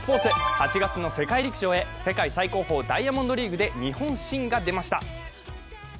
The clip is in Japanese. ８月の世界陸上へ、世界最高峰ダイヤモンドリーグで日本新が出ました。